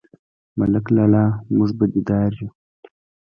_ملک لالا، موږ بدي دار يو؟